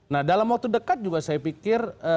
nah dalam waktu dekat juga saya pikir